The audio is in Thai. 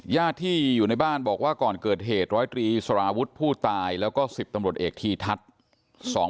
ญาติที่อยู่ในบ้านบอกว่าก่อนเกิดเหตุร้อยตรีสารวุฒิผู้ตายแล้วก็๑๐ตำรวจเอกทีทัศน์